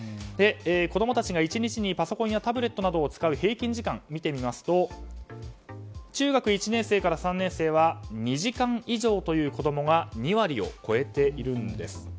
子供たちが１日にパソコンやタブレットを使う平均時間を見てみますと中学１年生から３年生は２時間以上という子供が２割を超えているんです。